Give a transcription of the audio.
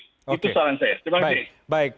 itu saran saya terima kasih